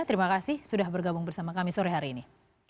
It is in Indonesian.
terima kasih sudah bergabung bersama kami sore hari ini